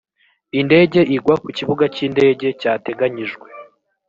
indege igwa ku kibuga cy indege cyateganyijwe